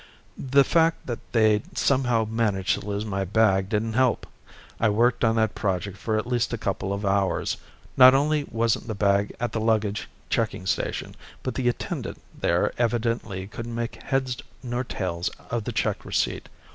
The fact that they'd somehow managed to lose my bag didn't help. I worked on that project for at least a couple of hours. Not only wasn't the bag at the luggage checking station, but the attendant there evidently couldn't make heads nor tails of the check receipt.